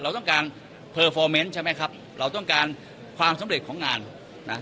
เราต้องการใช่ไหมครับเราต้องการความสำเร็จของงานนะ